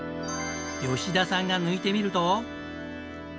吉田さんが抜いてみると。